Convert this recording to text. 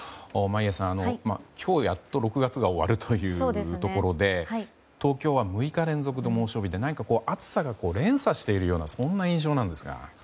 眞家さん、今日やっと６月が終わるというところで東京は６日連続の猛暑日で何かこう暑さが連鎖しているような印象なんですが。